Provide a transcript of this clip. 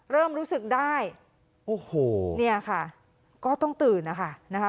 เริ่มรู้สึกได้โอ้โหเนี่ยค่ะก็ต้องตื่นนะคะ